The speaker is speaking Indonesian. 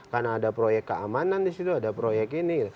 karena ada proyek keamanan di situ ada proyek ini